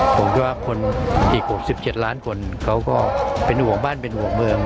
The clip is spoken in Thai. ผมคิดว่าคนอีก๖๗ล้านคนเขาก็เป็นห่วงบ้านเป็นห่วงเมือง